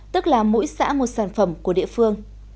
tức là mỗi xã một sản phẩm của địa phương